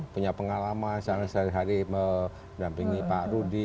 punya pengalaman sehari hari mendampingi pak rudi